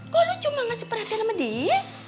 kalau lo cuma ngasih perhatian sama dia